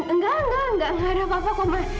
enggak enggak enggak ada apa apa kok mas